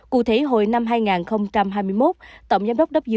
cụ thể hồi năm hai nghìn hai mươi một tổng giám đốc who cho biết